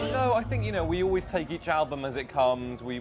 saya pikir kita selalu mengambil album setiap kali yang datang